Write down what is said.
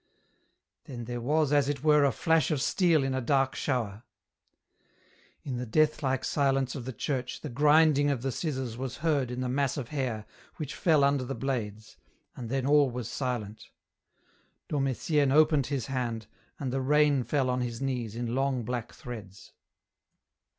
Then there was as it were a flash of steel in a dark shower. In the death like silence of the church the grinding of the scissors was heard in the mass of hair which fell under the blades, and then all was silent. Dom Etienne opened his hand, and the rain fell on his knees in long black threads.